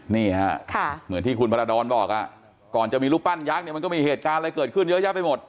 นี่ฮะเหมือนที่คุณพรดรบอกก่อนจะมีรูปปั้นยักษ์เนี่ยมันก็มีเหตุการณ์อะไรเกิดขึ้นเยอะแยะไปหมด